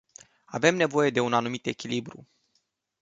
Avem nevoie de un anumit echilibru.